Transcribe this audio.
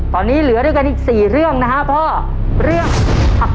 ตอนนี้เหลือเดียวกันอีก๔เรื่องนะคะพ่อ